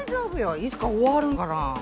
いつか終わるんだから。